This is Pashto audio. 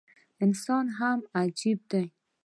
انسان هم عجيبه دی